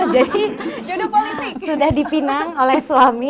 jadi sudah dipinang oleh suami